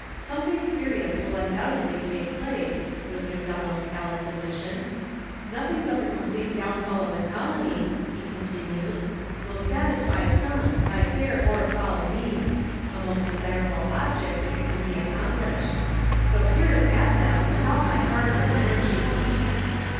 'Something serious will undoubtedly take place,' was Macdonell's callous admission. 'Nothing but the complete downfall of the colony,' he continued, 'will satisfy some, by fair or foul means a most desirable object if it can be accomplished. So here is at them with all my heart and energy.'